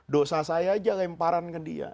dosa saya aja lemparan ke dia